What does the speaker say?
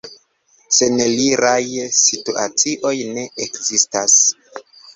Seneliraj situacioj ne ekzistas.